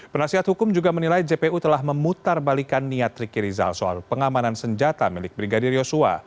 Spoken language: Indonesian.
penasihat hukum juga menilai jpu telah memutar balikan niat riki rizal soal pengamanan senjata milik brigadir yosua